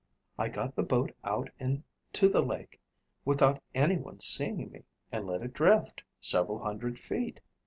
"I got the boat out into the lake without anyone seeing me and let it drift several hundred feet.